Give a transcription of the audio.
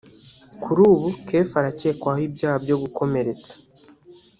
Kuri ubu Kefa arakekwaho ibyaha byo gukomeretsa